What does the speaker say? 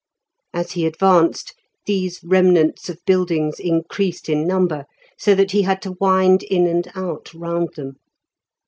As he advanced these remnants of buildings increased in number, so that he had to wind in and out round them.